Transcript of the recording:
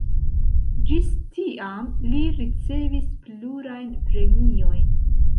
Ĝis tiam li ricevis plurajn premiojn.